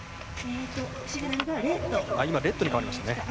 今、レッドに変わりましたね。